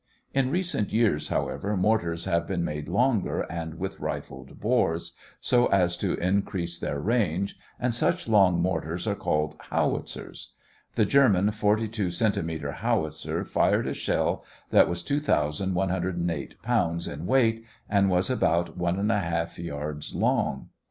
In recent years, however, mortars have been made longer and with rifled bores, so as to increase their range, and such long mortars are called "howitzers." The German 42 centimeter howitzer fired a shell that was 2,108 pounds in weight and was about 1 1/2 yards long.